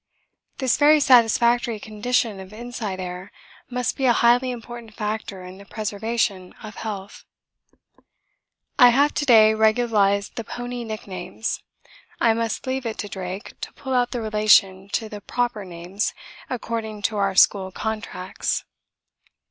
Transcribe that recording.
This very satisfactory condition of inside air must be a highly important factor in the preservation of health. I have to day regularised the pony 'nicknames'; I must leave it to Drake to pull out the relation to the 'proper' names according to our school contracts!